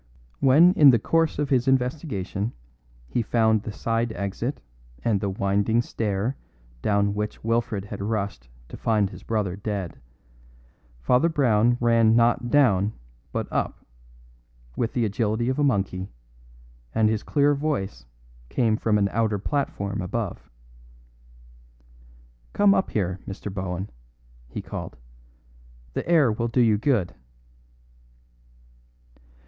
When in the course of his investigation he found the side exit and the winding stair down which Wilfred had rushed to find his brother dead, Father Brown ran not down but up, with the agility of a monkey, and his clear voice came from an outer platform above. "Come up here, Mr. Bohun," he called. "The air will do you good."